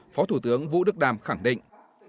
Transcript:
phó thủ tướng vũ đức đàm khẳng định